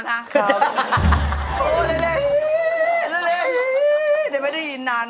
โฮลาเลโฮลาเลโฮลาเล